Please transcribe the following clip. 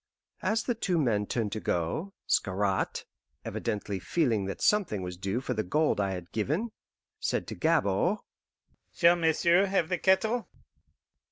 As the two men turned to go, Scarrat, evidently feeling that something was due for the gold I had given, said to Gabord, "Shall m'sieu' have the kettle?"